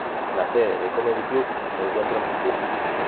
La sede de Comedy Club se encuentra en Moscú.